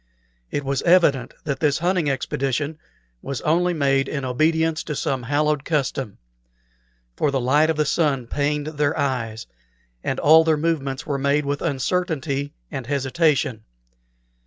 It was evident that this hunting expedition was only made in obedience to some hallowed custom; for the light of the sun pained their eyes, and all their movements were made with uncertainty and hesitation.